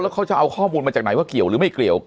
เขาจะเอาข้อมูลมาจากไหนว่าเกี่ยวหรือไม่เกี่ยว